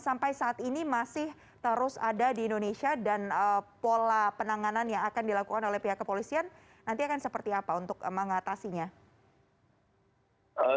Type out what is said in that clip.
jadi saat ini masih terus ada di indonesia dan pola penanganan yang akan dilakukan oleh pihak kepolisian nanti akan seperti apa untuk mengatasinya